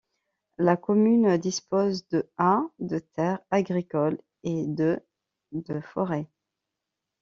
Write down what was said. La commune dispose de ha de terres agricoles et de de forêts.